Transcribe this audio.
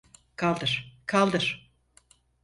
Kaldır, kaldır.